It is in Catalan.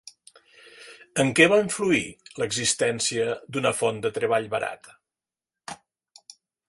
En què va influir l'existència d'una font de treball barata?